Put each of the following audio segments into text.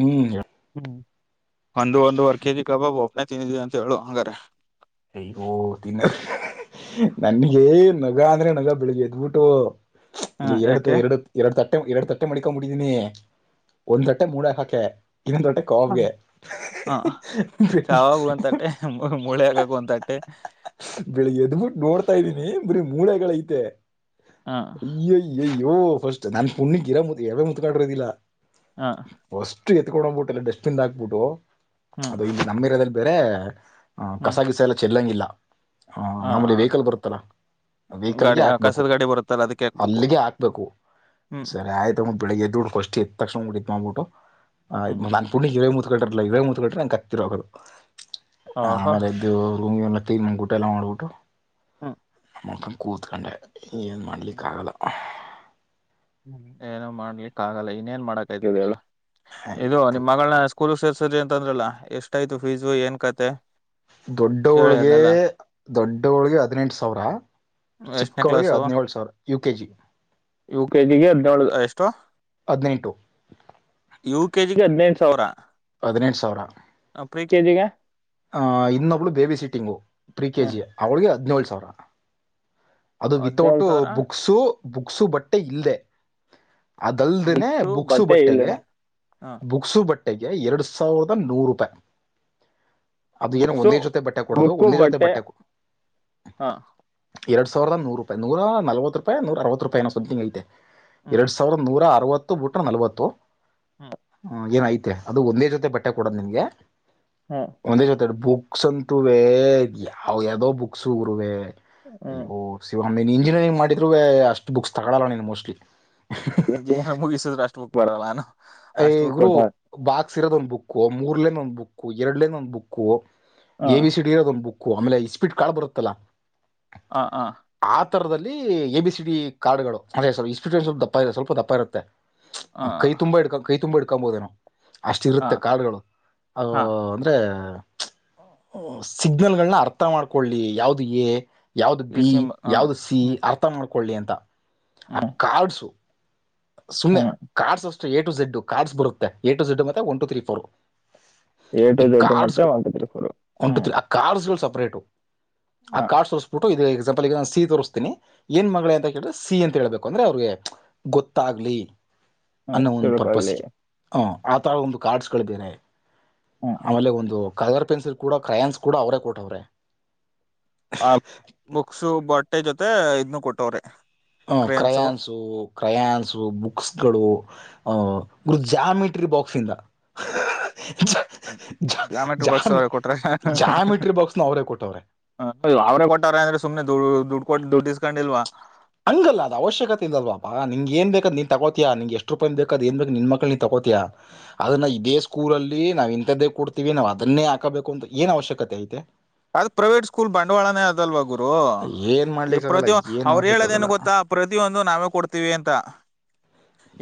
ಹ್ಮ್ ಹ್ಮ್ ಒಂದು ಒಂದು ವರ್ ಕೆ ಜಿ ಕಬಬು [inaudible] ಅಂತ ಹೇಳು ಹಂಗಾರೆ ಅಯ್ಯೋ ತಿನ್ನ ನನ್ಗೆ ನಗ ಅಂದ್ರೆ ನಗ ಬೆಳಿಗ್ಗೆ ಎದ್ಬಿಟ್ಟು ಹಾ ಇಲ್ಲ ಎರಡು ಯಾಕೆ ಎರಡು ಎರಡು ತಕ್ಕ ತಟ್ಟೆ ಎರಡ್ ತಟ್ಟೆ ಮಡಕೊಂಬಡಿದೀನಿ ಒಂದ್ ತಟ್ಟೆ ಮೂಡಾಗ ಹಾಕೆ ಇನ್ನ ಲೋಟ ಕಪಗೆ ಹ ಒಂದ್ಟ್ಟೆ ಬೆಳಿಗ್ಗೆ ಎದ್ಬಿಟ್ಟು ನೋಡ್ತಾ ಇದ್ದೀನಿ ಬರೀ ಮೂಳೆಗಳೈತೆ ಹ ಇ [unintelligible] ಯೋ ಫಸ್ಟ್ ನನ್ ಪುಣ್ಣಿಗಿರಾ ಯಾವೇ ಮುತ್ಕಾಡಿರೋದಿಲ್ಲ ಹಾ ಎತ್ಕೊಂಡೋಗ್ಬಿಟ್ಟಲ್ಲ ಡಟ್ಬಿನ್ ಹಾಕ್ಬಿಟ್ಟು ಹ್ಮ್ ಅದು ಇ ನಮ್ಮಿರೋದ ಬೇರೇ ಹ ಹ್ಮ್ ಕಸಗಿಸ ಎಲ್ಲ ಚೆಲ್ಲಂಗಿಲ್ಲ ಹಾಂ ಹ ಹ ಆಮಲೆ ವೆಯಹಿಕಲ್ ಬರುತ್ತಲ್ಲ ಗಾಡಿ ವೆಹಿಕಲ್ಗೆ ಹಾಕ್ಬೇಕು ಕಸದ ಗಾಡಿ ಬರುತ್ತಲ್ಲ ಅದಕ್ಕೆ ಹಾಕ್ಬೇಕು ಅಲ್ಲಿಗೆ ಹಾಕ್ಬೇಕು ಹ್ಮ್ ಸರಿ ಆಯ್ತು ಬೆಳಿಗ್ಗೆ ಎದ್ದ ದುಡ್ಕೋಷ್ಟ ಇತ್ತು ತಕ್ಷಣ ಬಿಟ್ಟಿತ್ ಮಾ್ಬಿಟ್ಟು ಆಯ್ ಹ್ಮ್ [unintelligible] ತ್ಕಟರಲಲ್ಲ ಇವ ಮುತ್ಕಟ್ರ ನಂಗೆ ಕತ್ತಿರೋಗೋದು ಆಹಾ ಆಮೇಲೆದು ರಿ ಒ ್ ಗಊಟ ಎಲ್ಲ ಮಾಡ್ಬಿಟ್ಟು ಹ್ಮ್ ಮುಖನ್ ಕೂತಕೊಂಡ ಏನು ಮಾಡ್ಲಿಕ್ಕಾಗಲ್ಲ ಹ್ಮ್ ಏನೋ ಮಾಡ್ಲಿಕ್ ಆಗಲ್ಲ ಇನ್ೇನ್ ಮಾಡಕೈತಲ್ಲ ಇದು ನಿಮ್ಮ್ ಮಗಳನ್ನ ಸ್ಕೂಲ್ ಸೇರ್ ಸ್ ಸರಿ ಅಂತ ಅಂದ್ರಲ್ಲ ಎಷ್ಟ ಆಯ್ತು ಫೀಸ್ ಏನ್ ಕತೆ ಹೇಳಿ ದೊಡ್ಡವಳಿಗೆ ಅದ್ನೆಲ್ಲ ದೊಡ್ಡವಳಗೆ ಹದಿನೆಂಟು ಸಾವಿರ ಎಷ್ಟನೇ ಚಿಕ್ಕವಳಗೆ ಹದಿನೇಳು ಸಾವಿರ ಯು ಕೆ ಜಿ. ಇವ. ಕೆ ಜಿಗೆ ಹದಿನೇಳು ಎಷ್ಟು. ಹದಿನೆಂಟು. ಯು ಕೆಜಿಗೆ ಹದಿನೈಂದು ಸಾವಿರ. ಹದಿನೆಟು ಸಾವಿರಾ.. ಕೆಜಿಗ. ಆ ಇನ್ನೊಬ್ಳು ಬೇಬಿ ಸೀಟಿಂಗೋ. ಪ್ರಿ ಹ್ಮ್ ಕೆಜಿ ಅವಳಿಗೆ ಹದಿನೇಳು. ತೋರ. ಅದು ವಿತೌಟ ಹದ್ನೇಳು ಸಾವಿರ ಬುಕ್ಸು.. ಬುಕ್ಸು ಬಟ್ಟೆ ಇಲ್ಲದೆ.. ಅದಲ್ದನೆ ಬುಕ್ಸು ಬಟ್ಟೆ ಬಟ್ಟೆಗೆ ಇಲ್ಲೇನೆ ಹಾ ಬುಕ್ಸು ಬಟ್ಟೆ. ಗೆ ಎರಡು ಸಾವಿರದ ನೂರು ರೂಪಾಯಿ ಅದು ಏನೋ ಬುಕ್ಸು ಒಂದೇ ಜೊತೆ ಬಟ್ಟೆ ಕೊೂಡೋದು ಒಂದೇ ಜೊತೆ ಬಟ್ಟೆ. ಹಾ ಎರಡ್ಾವಿರದ ನೂರುೂಪಾಯ ನೂರ ನಲ್ವತ್ತು ರೂಪಿ ನೂ ಅರವ ರೂಪಾಯಿನೋ ಸಂ ಸಿಂಗ್ ಐತೆ. ಹ್ಮ್ ಎರಡ್ ಸಾವಿರದ ನೂರ. ಅರವತ್ತು ಬಿುಟ್ರ ನಲವತ್ತು. ಹ್ಮ್ ಹ ಏನಾಯ್ತು. ಮ ಅದು ಒಂದೇ ಜೊತೆ ಬಟ್ಟೆ ಕೊಡದು ನಿಂಗೆ. ಹಾ. ಒಂದೇ ಜೊತೆ ಬುಕ್ಸ್ ಅಂತುವೇ ಯಾವ ಯಾವ್ದೋ ಬುಕ್ಸ್ ಹಗರುವೆ. ಹ್ಮ್ ಶ. ಆಮ ನೀನು ಇಂಜಿನಿಯರಿಂಗ್ ಮಾಡಿದ್ೂ ಅಷ್ಟು ಬುಕ್ಸ್ ತಗಳಲ್ಲ ನೀನು ಮೋಸ್ಟ್ಲಿ. ಎ ಮುಗಿಸಿದ ರಷ್ಟ ಮು.. ಬರಲ್ಲ. ಐ ಅಷ್ಟು ಬುಕ್ ಗುರು ಕೊಟ್ಟ ಬಾಕ್ಸ್ ಇರೋದ ಒಂದ್ ಬುಕ್. ಮೂರ್ಲನ್ ಒಂದ್ ಬುಕ್ಕು ಎರಡೂಲೈನ್ ಒಂದ್ ಬುಕ್ಕು. ಹಾ ಎ ವಿ ಸಿಡಿ ಇರೋದ ಒಂದ್ ಬುಕ್ ಓ ಆಮೇಲೆ ಸ್ಪೀಡ್ ಕಾಳ್ ಬರುತ್ತಲ್ಲಾ. ಹ ಹ. ಅಂತರದಲ್ಲಿ ಎ ಬಿ ಸಿ ಡಿ ಕಾರ್ಡ್ಗಳು ಅದೇ ಇನ್ಸ್ಟಿಟ್ಯೂಟ್ ಸ್ವಲ್ ದಪ್ಪ ಇರುತ್ತೆ ಸ್ವಲ್ಪ ದಪ್ಪ ಇರುತ್ತೆ. ಹಾ ಕೈ ತುಂಬಾ ಇಡ್ಕ. ಕೈ ತುಂಬಾ ಇಡ್ಕಬೋದೇನೋ. ಹಾ ಅಷ್ಟಿರುತ್ತೆ ಕಾರ್ಡ್ಗಳು ಅ ಹಾ ಅಂದ್ರೆ. ಸಿಗ್ನಲ್ಗಳನ್ನ ಅರ್ಥ ಮಾಡ್ಕೊಳ್ಳಿ ಯಾವ್ದು ಏ ಯಾವ್ದ ಈ ಬಿ ಸಿಮ್ ಹಾ ಯಾವ್ದ ಸಿ ಹ್ಮ್ ಅರ್ಥ ಮಾಡ್ ಕೊಳ್ಳಿ ಅಂತ ಆ ಹ್ಮ್ ಕಾರ್ಡ್ಸು ಸುಮ್ಮನೆ ಹ್ಮ್ cards A to Z cards ಬರುತ್ತೆ ಎ ಟು ಜೆಡ್ ಮತ್ತೆ one two three four A to ಈ ಝೆಡ್ಡ್ ಡು ಮತ್ತೆ ಕಾರ್ಡ್ಸ್ಗಳು ಒನ್ ಟು ತ್ರೀ ಫೋರ್ ಹ್ಮ ಪ್ರೇಡು [unintelligible] ಆ ಕಾರ್ಡ್ ಸೋರಿಸ್ಬುಟ್ಟು [unintelligible] ಇದೇಗ್ ಎಕ್ಸಾಂಪಲ್ ಈಗ ನು ಸಿ ತೋರಿಸ್ತೀ ಏನ್ ಮಗಳ ಅಂತ ಕೇಳಿದ್ರೆ ಸಿ ಅಂತ ಹೇಳೇಬೇಕು ಅಂದ್ರೆ ಅವ್ರಿಗೆ ಗೊತ್ ತಾಗಲಿ [unintelligible] ಅನ್ನೋ ಒಂದು ತಿಳ್ಕೊಳ್ಳಿ ಪರ್ಪಸ್ಗೆ ಹಾ ಆ ಥರ ಒಂದು ಕಾರ್ಡ್ಸ್ಗಳು ಬೇರೆ ಹ್ಮ್ ಆಮೇಲೆ ಒಂದು ಕಲರ್ ಪೆನ್ಸಿಲ್ ಕೂಡ ಕ್ರಯನ್ಸ್ ಕೂಡ ಅವರೇ ಕೊಟ್ಟವ್ರೆ ಮತ್ತೆ ಇದುನ್ನು ಕೊಟ್ಟವ್ರೆ ಹ ಕ್ರೇನ್ಸು ಕ್ರಯಾನ್ಸು ಕ್ರಯಾನ್ಸು ಬುಕ್ಸ್ಗಳು ಗರು [unintelligible] ಜ್ಯಾಮಿಟ್ರಿ ಬಾಕ್ಸಿಂದ ಜ್ಯಾಮೆಟ್ರಿ ಬಾಕ್ಸ್ ಜಾಮಿ ಅವ್ರೆ ಕೊಟ್ರ ಜಾಮಿಟ್ರಿ ಬಾಕ್ಸ್ನ ಅವರೇ ಕೊಟ್ಟವ್ರೆ ಅವ್ರೇ ಕೊಟ್ಟಾರ ಅಂದ್ರೆ ಸುಮ್ನೆ ದುಡ್ಡು ದುಡ್ಡು ಕೊಟ್ಟು ದುಡ್ಡಿಸ್ಕೊಂಡಿಲ್ವಾ ಹಂಗಲ್ಲ ಅದ್ ಅವಶ್ಯಕತೆ ಇದಲ್ವಪ ಅಲ್ವ ಪಾಪ ಏನ್ ಬೇಕಾದ ನೀನ್ ತಗೋತಿಯಾ ನಿನ್ಗೆ ಎಷ್ಟು ರೂಪಾಯಿನ್ ಬೇಕ್ ಅದ್ ಏನ್ ಬೇಕೊ ನಿನ್ ಮಕ್ಳ್ಗೆ ನೀನ್ ತಗೋತಿಯಾ ಅದನ್ನ ಇದೇ ಸ್ಕೂಲಲ್ಲಿ ನಾವು ಇಂಥದ್ದೇ ಕೊಡ್ತೀವಿ ನಾವ್ ಅದನ್ನೇ ಹಾಕಬೇಕು ಅಂತ ಏನ್ ಅವಶ್ಯಕತೆ ಇದೆ ಅದ ಪ್ರೈವೇಟ್ ಸ್ಕೂಲ್ ಬಂಡವಾಳಾನೇ ಅದಲ್ವಾ ಗುರ್ [unintelligible] ಏನು ಇದು ಮಾಡ್ಲಿಕ್ಕಾಗಲ್ಲ ಪ್ರತಿ ಏನು ಅವ್ರು ಹೇಳದೇನ್ ಮಾಡ್ಲಿಕ್ಕಾಗಲ್ಲ ಗೊತ್ತಾ ಪ್ರತಿಯೊಂದು ನಾವೇ ಕೊಡ್ತೀವಿ ಅಂತ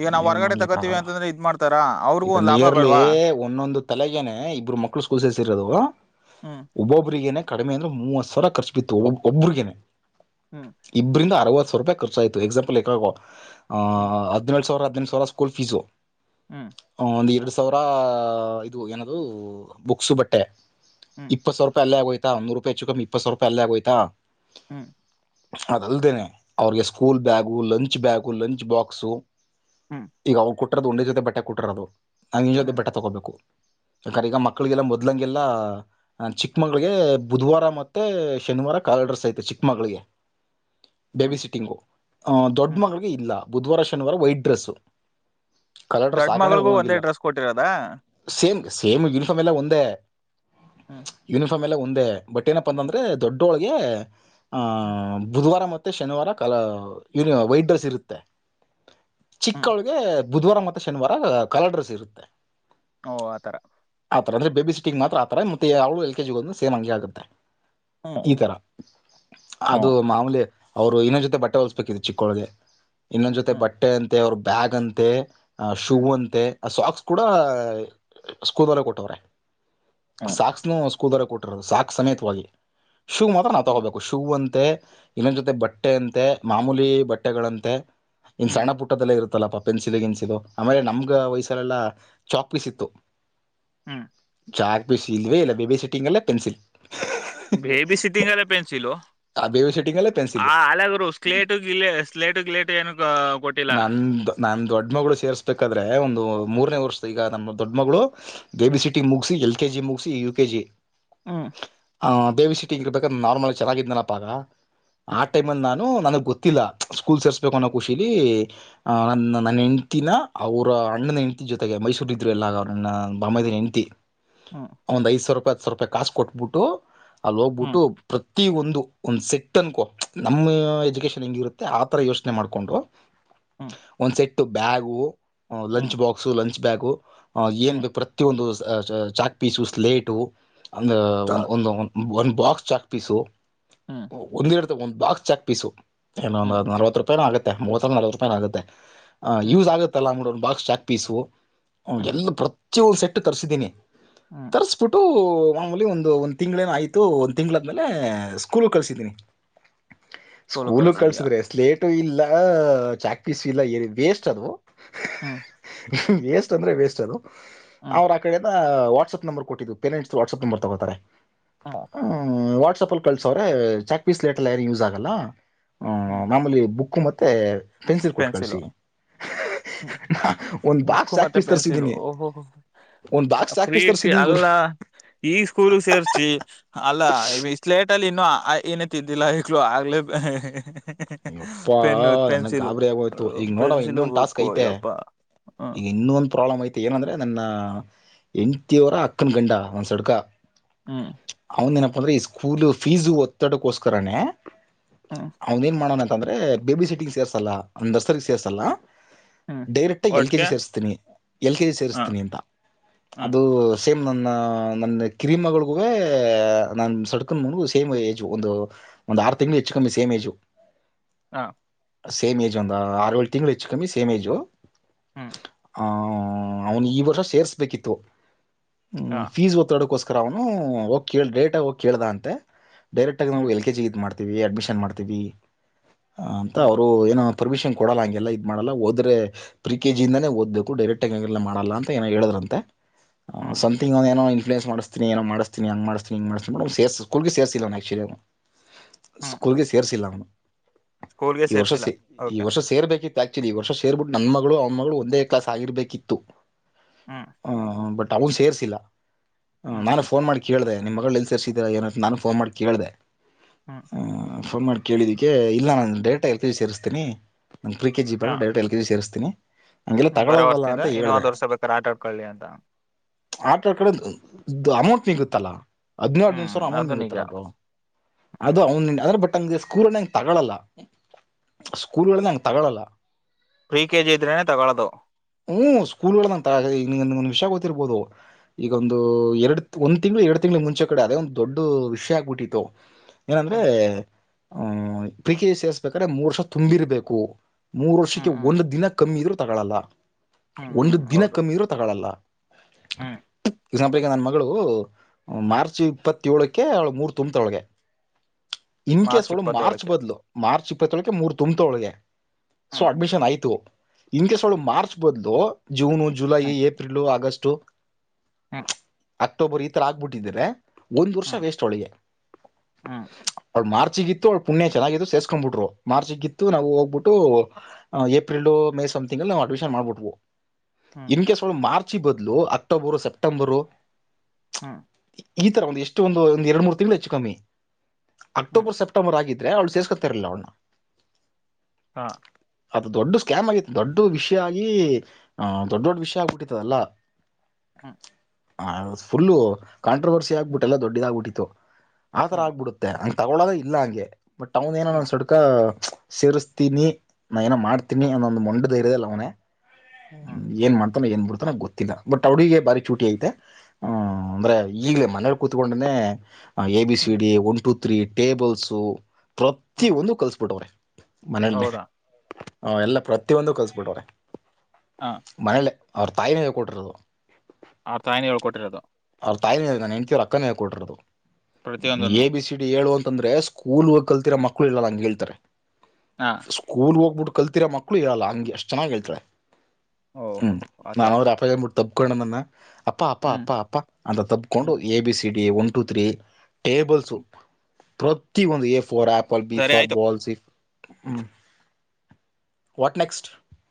ಈಗ ನಾವು ಏನು ಹೊರಗಡೆ ತಗೋತೀವಿ ಮಾಡ್ಲಿಕ್ಕಾಗಲ್ಲ ಅಂತಂದ್ರೆ ಇದ್ ಮಾಡ್ತಾರಾ ಅವ್ರಿಗೂ ಈಗ ಒಂದ್ ಲಾಭ ನಿಯರ್ಲಿ ಬೇಡವಾ ಒಂದೊಂದು ತಲೆಗೇನೆ ಇಬ್ಬರು ಮಕ್ಕಳು ಸ್ಕೂಲ್ ಸೇರಿಸಿರೋದು ಹ್ಮ್ ಒಬ್ಬೊಬ್ರು [unintelligible] ಕಡಿಮೆ ಅಂದ್ರೆ ಮೂವತ್ ಸಾವಿರ ಖರ್ಚ್ ಬಿತ್ತು ಒಬ ಒಬರಿಗೇನೆ ಹ್ಮ್ ಇಬ್ರಂದ [unintelligible] ವತ್ತು ಸಾವರ ರೂಪಾಯ ಖರ್ಚ ಆಯತು ಎಕ್ಸಂಪಲ್ಲ್ ಈಗ ಒ ಹ ಹ್ಮ್ ಹದಿನೇಳು ಸಾವಿರ [unintelligible] ಸಾವಿರ ಸ್ಕೂಲ್ ಫೀಸು ಹ್ಮ ಒಂದ್ ಎರಡು ಸಾವಿರ ಇದು ಏನದು ಬುಕ್ಸು ಬಟ್ಟೆ ಹ್ಮ್ ಇಪ್ಪತ್ ಸಾವಾರೂಪಾಯ್ ಅಲ್ಲೇ ಆಗೊತ್ ತ ಮೂರು ರೂಪಾಯ ಹೆಚ್ಚುಕಮ್ಮಿ ಇಪ್ಪತ್ ಸಾವಾರೂಪಾಯ್ ಅಲ್ಲ ಆಗೋಯ್ತ ಹ್ಮ್ ಅದುಲ್ದೇನೆ ಅವ್ರಿಗೆ school bag lunch bag lunch box. ಹ್ಮ್ ಈಗ ಅವ ಕೊಟ್ಟ. ಒೇ ಜೊತೆ ಬಟ್ಟೆ. ಕುಟರದು. ನಾ್ ನಿಜ ಜೊತೆ ಹ್ಮ್ ಬೆೆ ತೊಗೋಬೇಕು. ಯಾಕ್ರೆ ಈಗ ಮಕ್ಳಿಗೆಲ್ಲ ಮೊದ್ಲಂಗೆಲ್ಲ ಚಿಕ್ಕಮಗಳಳಿಗೆ ಬುಧವಾರ ಮತ್ತೆ ಶನಿವಾರ ಕಾರ್ಡರ್ಸ್ ಐತೆ ಚಿಕ್ಕಮಳಿಗೆ. ಬೇಬಿ ಹ್ಮ್ ಸಿಟಿಂಗು ಅ ದೊಡ್ ಹ್ಮ್ ಮಳಿಗೆ ಇಲ್ಲ. ಬುಧವಾರ ಶನಿವಾರ ವೈಟ್ ಡ್ರೆಸ್ಸು. ಕಲರ್ಡ್ರೆಸ್. ದೊಡ್ಡ ಮಗಳಿಗೂ ಒಂದೇ ಡ್ರೆಸ್ ಕೊಟ್ಟಿರೋದ.. ಸೇಮ್ ಸೇಮ್ ಯೂನಿಫಾರ್ಮ್ ಎಲ್ಲ ಒಂದೇ. ಹ್ಮ್ ಯೂನಿಫಾರ್ಮ್ ಎಲ್ಲ ಹ.. ಒಂದೆ.. ಬಟ್ ಏನಪ್ಪ ಹ್ಮ್ ಅಂದ್ರ ದೊಡ್ಡೊಳಗೆ.. ಹ್ಮ್ [unintelligible] ಬುಧವಾರ ಮತ್ತ. ಮ ಶನಿವಾರ ಕನ ವೈಟ್ ಡ್ರೆಸ್ ಇರುತ್ತೆ. ಹ್ಮ್ ಚಿಕ್ಕೋಳ್ಗೆ. ಬುಧವಾರ ಮತ್ತ.. ಶನಿವಾರ ಕಲಡ್ರೆಸ್ ಇರುತ್ತೆ.. ಓ ಆತರ. ಆತರ ಅಂದೆ ಬೇಬಿ ಸಿಟಿಂಗ ಮಾತ್ರ ಆತರ ಮೆ ಯಾವಳು ಎಲ್ ಕೆಜಿಗ ಸೇ್ ಹಂ ಆಗುತ್ತೆ. ಹ್ಮ್ ಈ ತರ ಅದು ಹ್ಮ್ ಮಾಮೂಲಿ. ಅವ್ರು ಇನ್ನೊ ಜೊತೆ ಬಟ್ಟೆ ಹೊಲಸ್ಬೇಕತ್ತು ಚಿಕ್ಕೊಳಗೆ ಇನ್ನೊಂದ ಜೊತೆ ಹ್ಮ್ ಬಟ್ಟೆ ಅಂತೆ ಅವ್ರರು. ಬ್ಯಾಾಗ ಅಂತೆ. ಹ್ಮ್ ಶುವಂತೆ. ಸಾಕ್ಸ್ ಕೂಡ ಸ್ಕೂದಲ್ಲೇ ಕೊಟ್ಟವ್ರೆ. ಹ್ಮ್ ಸಾಕ್ಸ್ನು ಸ್ಕೂದಾರ ಕೊಟ್ಟ. ಸಾಕು ಸಮೇತವಾಗಿ.. ಶೂ ಮಾತ್ರ ನಾ ಹ್ಮ್ ತಗೋಬೇಕು ಶೂ ಅಂತ. ಇನ್ನೊನ್ ಜೊತೆ ಬಟ್ಟೆ ಅಂತೆ ಮಾಮೂಲಿ ಬಟ್ಟೆಗಳಂತೆ. ಇನ್ ಹ್ಮ್ ಸಣ್ಣ ಪುಟ್ಟದಲ್ಲ ಇರುತ್ತೆ. ತಲಪ ಪೆನ್ಸಿಲ್ ಗೆನ್ಸಿ ಲೋ. ಆಮೇಲೆ ನಮ್ಗ ವಯಸ್ಸಲೆಲ್ಲಾ ಚಾಕ್ಲಿಸಿ ಇತ್ತು. ಹ್ಮ್ ಚಾಕ್ ಪೀಸ್ ಇಲ್ ಇಲ್ಲ ಬೇಬಿ ಸಿಟ್ಟಿಂಗಲ್ ಅಲ್ಲ ಪೆನ್ಸಲ್ ಬೇಬಿ ಸಿಟಿಂಗ್ ಅಲ್ಲ ಪೆನ್ಸಿಲ್ ಆ ಬೇಬಿ ಸಿಟ್ಟಿಂಗ್ ಅಲ್ಲೇ ಪೆನ್ಸಿಲ್ ಆ ಅಲಗರು ಸ್ಲೇಟು ಗಲ ಸ್ಲೇಟು ಗ್ಲೇಟು ಏನು ಕೊಟ್ಟಿಲ್ಲ ನನ್ ನನ್ ದೊಡ್ಡ ಮಗಳು ಸೇರ್ಸ್ಬೇಕಾದ್ರೆ ಒಂದು ಮೂರನೇ ವರ್ಷದ ಈಗ ನಮ್ಮ ದೊಡ್ಡ ಮಗಳು ಬೇಬಿ ಸಿಟಿ ಮುಗಿಸಿ ಎಲ್ ಕೆಜಿ ಮುಗಿಸಿ ಯು ಕೆಜಿ ಹ್ಮ್ ಬೇಬಿ ಸಿಟಿಂಗ ಇಬೇಕ್ರ ನಾರ್ಮಲ್ ಚೆನ್ನಾಗಿದ್ನಲ್ಲ ಪಾ ಪಾರಾ ಆ ಹ್ಮ್ ಟೈಮೆಲ್ ನಾನ್ ಹೂ ನಗ್ ಗೊತ್ತಿಲ್ಲ ಸ್ಕೂಲ್ ಸೇರ್ಸ್ಬೇಕು ಅನ್ನೋ ಖುಷಿಲಿ ಅ ನನ್ನ ನನ್ನ ಹೆಂಡತಿನ ಅವರ ಅಣ್ಣನ ಹೆಂಡತಿ ಜೊತೆಗೆ ಮೈಸೂರ್ ಇದ್ರು ಎಲ್ಲ ನನ್ನ ಬೊಮ್ಮಾಯದ ಹೆಂಡ್ತಿ ಹ್ಮ್ ಒಂದ್ ಐದುಸಾವಿ ರೂಪಾಯಿ ರೂಪಾಯಿ ಕಾಸು ಕೊಟ್ಬಿಟ್ಟು ಅಲ್ಲಿ ಹ್ಮ್ ಹೋಗ್ಬಿಟ್ಟು ಪ್ರತಿ ಒಂದು ಒಂದ್ ಸೆಟ್ ಅನ್ಕೋ ನಮ್ಮ ಎಜುಕೇಶನ್ ಹೆಂಗಿರುತ್ತೆ ಆತರ ಯೋಚನೆ ಮಾಡ್ಕೊಂಡು ಹ್ಮ್ ಹ್ಮ್ ಒಂದು ಸೆಟ್ ಬ್ಯಾಗು ಹ್ಮ್ ಲಂಚ್ ಬಾಕ್ಸ್ ಲಂಚ್ ಬ್ಯಾಗು ಹ ಏನ್ ಹ್ಮ್ ಪ್ರತಿಯೊಂದು ಚಾಕ್ ಪೀಸು ಸ್ಲೇಟು ಅಂದು ಒಂದು ಒಂದು ಒನ್ ಬಾಕ್ಸ್ ಚಾಕ್ ಪೀಸು ಒಂದ್ ಇಡ್ತ ಒಂದು ಬಾಕ್ಸ್ ಚಾಕ್ ಪೀಸು ಹ್ಮ್ ಇನ್ನೊಂದಂದು ನರವತ್ತು ರೂಪಾಯ ಆಗೆ ಮೂರು ನಲ್ವ ರೂಪಾಯಿನ ಆಗುತ್ತೆ ಆ ಹ್ಮ್ ಯೂಸ್ ಆಗತ್ತಲ್ಲನ್ಡ ಒನ್ ಬಾಕ್ಸ್ ಾಕ್ ಪೀಸ ಅವಗೆ ಹ್ಮ್ ಎಲ್ಲ ಚಿಲ್ ಸೆಟ್ಟ ತರಿಸಿದ್ದೀನಿ ಹ್ಮ್ ತ ಸ್ಫುಟು ಮಾಮೂಲಿ ಒಂದು ಒಂದ್ ತಿಂ್ೇನ ಆಯ್ತು ಒಂದ್ ತಿಂಗಳಾದ್ಮೇಲೆ ಸ್ಕೂಲ್ ಕಳಸಿದ್ದೀನಿ ಸ್ಕೂಲು ಕಳ್ಸಿದ್ರೆ ಎಸ್ಲೇಟ್ ು ಇಲ್ಲ ಚಾಕ್ ಪೀಸ್ ಇಲ್ಲ ಏ ವೇಸ್ಟ್ ಅದು ಹಾ ವೇಸ್ಟ್ ಅಂದ್ರೆ ವೇಸ್ಟ್ ಅದು ಅವ್ರ ಆ ಕಡೆದ. ವಾಟ್ಸಆಪ್ ನಂಬರ್ ಕೊಟ್ಟಿದ್ದು ಪೇನೆಂಟ್ಸ್ ವಾಟ್ಆಪ್ ನಂಬ ತಗೋತಾರೆ. ಹ್ಮ್ ಹ್ಮ ವಾಟ್ಸಪ್ಲ್ಲಿ. ಕಲ್ ಸ. ಚಾಕ್ ಪೀಸ್ ಲೇಟರ್ಲ್ಲ ಯಾರು ಯೂಸ್ ಆಗಲ್ಲ. ಹ್ಮ ಹ್ಮ್ ನಮ್ಮಲ್ಲಿ ಬುಕ್. ಹಕ್ಕ ಮತ್ತೆ. ಪೆನ್ಸಿಲ್ ಕೊಟ್ಟು ಪೆನ್ಸಿಲು ಕಳಿಸಿ ಒಂದು ಬಾಕ್ಸ್ ಬುಕ್ ಚಾಕ್ ಮತ್ತೆ ಪೀಸ್ ಪೆನ್ಸಿಲು ತರಿಸಿದ್ದೀನಿ ಓಹೋಹ ಒಂದು ಬಾಕ್ಸ್ ಚಾಕ್ ಪ್ರೀ ಪೀಸ್ ತರಿಸಿದ್ದೀನಿ ಗುರು ಅಲ್ಲ ಈ ಸ್ಕೂಲ್ ಸೇರ್ಚಿ ಅಲ್ಲಲೇ. ಟಲ್ಲಿ ಇನ್ನು ಆ ಏನ ತಿದ್ದಿಲ್ಲ ಈಗ್ಲ ಆಗ್ಲೇ. Pen pencil. ಹೋಯ್ತು ಈಗ ನೋಡವ ಇನ್ನೊಂದು್ ಟಾಸ್ಕ್ ಐತೆ. ಹ್ಮ್ ಈಗ ಇನ್ನು ಒಂದು. ಪ್ರಾಬ್ಲಮ್ ಐತೆ ಏನಂದ್ರೆ ನನ್ನ ಎಂಟವರ ಅಕ್ಕನ ಗಂಡ ಒಂದ್ ಸಡ್ಕ. ಹ್ಮ್ ಅವನ್ಿನಪ್ಪ. ಅಂದ್ರೆ ಈ ಸ್ಕೂಲ್ ಫೀಸು ಒತ್ತಡಕೋಸ್ಕರನೇ. ಹ್ಮ್ ಅವನ್ ಏನ್ ಮಾಡೋಣಂತ. ಅಂದ್ರೆ ಬೇಬಿ ಸಿಟಿಗೆ ಸೇರ್ಸಲ್ಲ ಒಂದ ದರ್ಸರ್ರಿಗೆ ಸೇರ್ಸಲ್ಲ. ಹ್ಮ್ ಡೇರ್. ಎಲ್ ಕೆ ಒಟ್ಗೆ ಜಿ ಸೇರಿಸ್ತೀನಿ ಎಲ್ ಕೆ ಜಿ ಹ ಸೇರಿಸ್ತೀನಿ ಅಂತ ಹ್ಮ್ ಅದು. ಸೇಮ್ ನನ್ನ ನನ್ನ ಕರಿಮಗಳಿಗೂ ನಾನ ಸಡ್ಕೊಂಡನಗು ಸೇಮ್ ಏಜು ಒಂದು ಒಂದು ಆರು ತಿಂಗಳು ಹೆಚ್ಚು ಕಮ್ಮಿ ಸೇಮ್ ಏಜು. ಹಾ. ಸೇಮ್ ಏಜ್ ಒಂದ ಆರುಏೇಳು ತಿಂಗಳು ಹೆಚ್ಚು ಕಮ್ಮಿ ಸೇಮ್ಏಜು. ಹ್ಮ. ಹ ಅವ್ನು ಈ ವರ್ಷ ಸೇರ್ಸ್ಬೇಕಿತ್ತು. ಹ ಹ್ಮ್ ಫಸ್ ಒತ್ತಡೋಕೋಸ. ಅವನು ಹೋಗಿ ಕೇಳ ಡೇಟ್ಗ ಹೋಗಿ ಕೇಳ್ದ ಅಂತೆ. ಡರೆಕ್ಟಾಗಿ ನಾ ಹ್ಮ್ ಎಲ್ ಕೆಜಿ ಇದ್ ಮಾಡ. ಅಡ್ಮಿಷನ್ ಮಾಡ್ತೀವಿ. ಹ ಅಂತ ಹ್ಮ್ ಅವರು ಏನ. ಪರ್ಮಿಷನ್ ಕೊಡಲ್ಲ ಹಂಗೆಲ್ಲ ಇದು ಮಾಡಲ್ಲ ಹೋದ್ರೆ. ಪ್ರಿ ಕೆ ಜಿಯಿಂದಾನೇ ಓದಬೇಕು ಡೈರೆಕ್ಟಾಗಿ ಹ ಹಾಗಗೆಲ್ಲ ಮಾಡಲ್ಲ ಅಂತ ಏನ ಹೇಳಿದ್ರಂತೆ. ಹ್ಮ್ ಸ್ಂತಿಂಗ್ ಒಂದ ಏನೋ ಇ. ನ್ಸ್ ಮಾಡ್ತೀನಏನ ಮಾಡಿಸ್ೀನ ಹಂಗ ಮಾಡ್ತನಿಂಗ ಮಾಡ್ತನಿ ನ ಸೇ ಸ್ಕೂಲ್ಗೆೇರಿಸಿಲ್ಲ ನು ಆಕ್ಚುಲಿ. ಹ್ಮ್ ಸ್ಕೂಲ್ಗೆ ಸೇರ್ರಿಸಿಲ್ಲ ಅವನು. ಸ್ಕೂಲ್ಗೆ ಈ ವರ್ಷ ಸೇರ್ಸಿಲ್ಲ ಸ ಈ ಓಕೆ ವರ್ಷ ಸೇರ್ಬೇಕಿತ್ತು ಈ ವರ್ಷ ಸೇರಿಬಿಟ್ಟು ನನ್ಮ ಅ ಮಗಳು ಒಂದೇ ಕ್ಲಾಸ್ ಆಗಿರ್ಬೇಕಿತ್ತು ಹ್ಮ್ ಹಾ ಹಾ ಬಟ ಅವ ಸೇರ್ರಿಸಿಲ್ಲ ಹ್ಮ್ ನಾಳೆ ಫೋನ್ ಮಾಡ ಕೇಳಿದೆೆ ನಿಮ್ಮ ಮಗಳು ಎಲ್ಲಿ ಸರಿಸಿದೀರ ಏನಂತ ನಾನು ಫೋನ್ ಮಾಡಿ ಕೇಳ್ದೆ ಹ್ಮ್ ಹ ಫೋನ್ ಮಾಡಿ ಕೇಳಿದ್ದಕ್ಕೆ ಇಲ್ಲ ನಾನು ಡೇಟಾಗಿ ಹೆವಿ ಸೇರಿಸ್ತೀನಿ ನನ್ ತ್ರಿ ಕೆಜಿ ಹ ತಗೊಂಡ ಎಲ್ ಕೆಜಿ ಸೇರಿಸತನಿ ಹ್ಮ್ ಬರೋ ವಸ್ತಿಂದ್ರ ಇನ್ನು ಒಂದ್ ವರ್ಷ ಬೇಕಾದ್ರೆ ಆಟ ಆಡ್ಕೊಳ್ಳಿ ಅಂತ [unintelligible] ಕಡೆ ಅಮೌಂಟ್ ನಿಗತ್ತಲ್ಲಾ ಹದ್ನೇಳು ನಿ ಹ್ಮ್ ಸಾವಿರ ಅಮೌಂಟ್ ಅದು ನಿಜ ನಿತ್ತಲ್ಲ ಬೋ ಹ್ಮ್ ಅದು ಬ ನಿಂಗ ಸ್ಕೂಲ್ ಹೆಂಗೆ ತಗೊಳ್ಳಲ್ಲ ಸ್ಕೂಲ್ಗಳನೆ ಹೆಂ ತಗೊಳ್ಳಲ್ಲ ಪ್ರೀ ಕೆಜಿ ಇದ್ರೇನೆ ತಗೊಳೋದು ಹ್ಮ ಸ್ಕೂಲೋಡ ತ ವಿಷಯ ಗೊತ್ತಿರ್ಬೋದು ಈಗೊಂದು ಎರಡ್ ಒಂದ್ ತಿಂಗಳು ಎರಡು ತಿಂಗಳ ಮುಂಚೆ ಕಡೆ ಅದೇ ಒಂದಂದು ದೊಡ್ಡ ವಿಷಯ ಆಗ್ಬಿಟ್ಟಿತ್ತು ಏನಂದ್ರೆ ಹ್ಮ್ ಹ್ಮ್ ಪ್ರೀಕಸೇರ್ಬೇಕಾದ್ರೆ ಮೂರ್ ವರ್ಷ ತುಂಬಿರ್ಬೇಕು ಮೂರು ವರ್ಷಕ್ಕೆ ಹ್ಮ್ ಹ್ಮ್ ಒಂದು ದಿನಕ್ಕೆ ಕಮ್ಮಿದ್ರು ತಗೊಳ್ಳಲ್ಲ ಹ್ಮ್ ಹ್ಮ್ ಒಂದು ದಿನ ಹೌದು ಕಮ್ಮಿರು ತಗಳಲ್ಲ ಹ್ಮ್ ಎಕ್ಸಾಂಪಲಿಗೆ ನನ್ನ ಮಗಳು ಮಾರ್ಚ್ ಇಪ್ಪತ್ತೇಳಕ್ಕೆ ಅವಳು ಮೂರು ತುಂಬತ್ತೊಳಗೆ ಇನ್ಕೇಸ್ ಮಾರ್ಚ್ ಒಲಾ ಮಾರ್ಚ್ ಇಪ್ಪತ್ತೇಳಕ್ಕೆ ಬದಲ ಮಾರ್ಚ್ ಇಪ್ಪತ್ತೊಳಗೆ ಮೂರು ತುಂಬತೊಳಗೆ ಸೊ ಹ್ಮ್ ಅಡ್ಮಿಷನ್ ಆಯ್ತು ಇನ್ ಕೆಸಗಳು ಮಾರ್ಚ್ ಬದಲು June July April August to ಹ್ಮ ಅಕ್ಟೋಬರ್ ಈ ಥರ ಆಗ್ಬಿಟ್ಟಿದ್ದಿರೆ ಒಂದು ವರ್ಷ ಹ್ಮ್ ವೇಸ್ಟ್ ಅವಳಿಗೆ ಹ್ಮ್ ಅವಳು ಮಾರ್ಚ್ ಮಾರ್ಚ್ಗಿತ್ತು ಪುಣ್ಯ ಚೆನ್ನಾಗು ಸೇರ್ಸ್ಕೊಂಡ್ಬಿಟ್ರು ಮಾರ್ಚ್ಗಿತ್ತು ನಾವು ಹೋಗ್ಬಿಟ್ಟು ಏಪ್ರಿಲ್ ಮೇ ಸಂಥಿಂಗ್ಗಲ್ಲಿ ನಾವು ಅಡ್ಮಿಷನ್ ಮಾಡ್ಬಿಟ್ಬವು ಹ್ಮ್ ಇನ್ಕೇಸ್ ಒ ಮಾರ್ಚ್ ಬಲ ಅಕ್ಟೋಬರ್ ಸೆಪ್ಟೆಂಬರ್. ಹ್ಮ. ಈ ತರ ಒಂದ್ ಎಷ್ಟು ಒಂದು ಒಂದ ಎರಡು ಮೂರು ತಿಂಗಳು ಹೆಚ್ಚು ಕಮ್ಮಿ. ಹ್ಮ್ ಅಕ್ಟೋಬರ್ ಸೆಪ್ಟೆಂಬರ್ ಆಗಿತ್ತು. ಇದ್ರೆ ಅವಳು ಸೇಸ್ಕೊತಾರಲ್ಲ ಅವಣ್ಣ. ಹ ಅದು ದೊಡ್ಡ ಸ್ಕಾಮ ಆಗತ್ತು. ದೊಡ್ಡ ವಿಷಯ ಆಗಿ ಆಹ ದೊಡ್ಡ ದೊಡ್ಡ ವಿಷಯ ಆಗ್ಿಬಿಟ್ಟಿತದಲ್ಲ. ಹ್ಮ. ಹ ಫುಲ್ಲು ಕಾಂಟ್ರವರ್ಸಿ ಆಗ್ಬಿಟ್ಟಲ್ಲ ದೊಡ್ಡದಾಗಬಿಟ್ಟಿತ್ತು. ಆಥರ ಹ್ಮ್ ಆಗ್ಬಿಡುತ್ತೆ. ತಗೊಳ್ಳಳೋದ ಇಲ್ಲ ಹಂಗೆ. ಬಟ್ ಅವದ ಏನ ಅನ್ಸುಡ್ಕ. ಸೇರಿಸ್ತೀನಿ ನಾ ಏನೋ ಮಾಡ್ತೀನಿ ಅನ್ನೊಂದು ಮಂಡೆ. ಧರದಲ್ಲ ಅವನನೆ. ಹ್ಮ ಹ್ಮ್ ಏನ್ ಮಾಡ್ತಾನ ಏನ್ ಬಿಡ. ಗೊತ್ತಿಲ್ಲ ಬಟ್ ಅವಡಿಗೆ ಬಾರಿ ಚೂಟಿ ಐತೆ ಆ್ ಅಂದ್ರೆ ಈಗ್ಲೇ ಮನೇಲಿ ಕೂತ್ಕೊಂಡೆ. ಎ ಬಿ ಹ್ಮ್ ಹ್ಮ್ C D one two. Three tables. ಪ್ರತಿಿಯ ಹ್ಮ್ ಒಂದು ಕಲ್ಸ್ಬಿಟ್ಟವ್ರೆ ಮನನೆೇ. ಹೌದಾ ಹ ಎಲ್ಲ ಪ್ರ. ಪ್ರೊಂದು ಕಲ್ಸ್ಬಿಟವ್ರೆ.. ಹ ಮನಲೆ. ಅವ್ರ ತಾಯಿನಾಗ ಕೊಟ್ಟಿರದು. ಆರ್ಥಾಯನಿ ಉಳ್ಕೊಟ್ಟಿರದು. ಅವ್ರ ತಾಯಿನೇಗ ನೆಂತೀ್ ಅಕ್ಕನೇ ಕೊಟ್ಟರೋದು. ಎ ಪ್ರತಿಯೊಂದನು ಬಿ ಸಿ ಡಿ ಹೇಳುವಂತ. ಅಂತಂದ್ರೆ ಸ್ಕೂಲ್ ಹೋಗಿ ಕಲ್ತಿರ ಮಕ್ಕಳು ಇಲ್ಲ ಹಂ ಹೇಳ್ತಾರೆ. ಹಾ ಸ್ಕೂಲ್ ಹೋಗ್ಬಿಟ್ಟ. ಕಲ್ತಿರ ಮ. ಕುಕ್ಕಳ ಇರಲ್ಲಂಗೆಷ್ಟ ಚನ್ನಾಗಿ ಹೇಳ್ತಾರೆ. ಓಹೋ ಹ್ಮ್ ನಾನ ಆತರ ಅವರು ಅಪಬಟ್ಟ. ತಬ್ಕಣ ಅನ್ನ. ಅಪ್ಪ ಅಪ್ಪ ಹ್ಮ್ ಅಪ್ಪ ಅಪ್ಪಾ ಅಂತ ತಬ್ಕೊಂಡು ಹ್ಮ್ A B C. One two three tables ಪ್ರತಿ ಒಂದು ಎಫ್. ಫಾರ್ ಆಪಲ್ ಸರಿ ಆಯ್ತು. ಬಿೀಫಫಾರ್ ಬಲ್ ಸಿಫ್ ಹ್ಮ. What next